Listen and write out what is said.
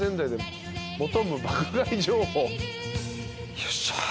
よっしゃ。